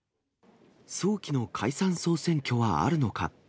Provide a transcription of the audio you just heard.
早期の解散・総選挙はあるのか。